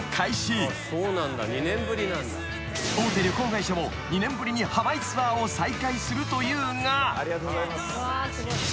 ［大手旅行会社も２年ぶりにハワイツアーを再開するというが］